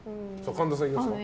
神田さんいきますか。